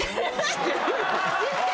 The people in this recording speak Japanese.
知ってるよ。